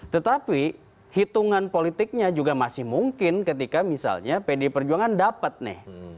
tetapi hitungan politiknya juga masih mungkin ketika misalnya pdi perjuangan dapat nih